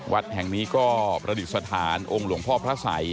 วัดแห่งนี้ก็ประดิษฐานองค์หลวงพ่อพระสัย